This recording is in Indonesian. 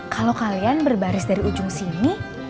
kalau kalian berbaris dari ujung sini